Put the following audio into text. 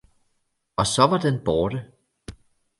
Og så var den borte